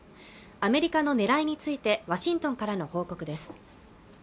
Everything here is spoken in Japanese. アメリカの狙いについてワシントンからの報告です